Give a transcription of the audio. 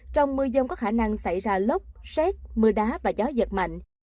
trong mưa dông có khả năng xảy ra lốc xét mưa đá và gió giật mạnh